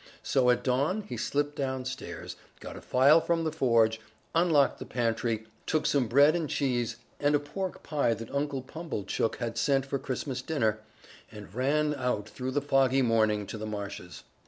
So at dawn he slipped down stairs, got a file from the forge, unlocked the pantry, took some bread and cheese and a pork pie that Uncle Pumblechook had sent for Christmas dinner, and ran out through the foggy morning to the marshes.